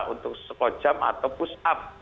untuk sekojam atau push up